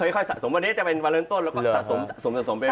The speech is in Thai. ค่อยสะสมวันนี้จะเป็นวันเริ่มต้นแล้วก็สะสมสะสมไป